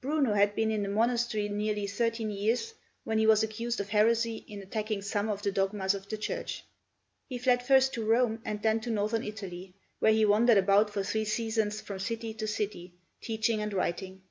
Bruno had been in the monastery nearly thirteen years when he was accused of heresy in attacking some of the dogmas of the Church. He fled first to Rome and then to Northern Italy, where he wandered about for three seasons from city to city, teaching and writing.